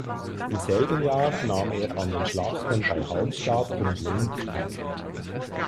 Im selben Jahr nahm er an den Schlachten bei Halmstad und Lund teil.